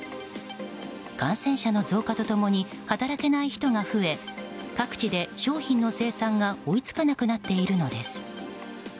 感染者の増加と共に働けない人が増え各地で商品の生産が追い付かなくなっているのです。